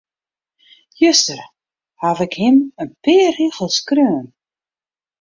Juster haw ik him in pear rigels skreaun.